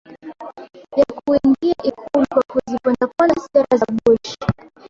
ya kuingia Ikulu kwa kuzipondaponda sera za Bush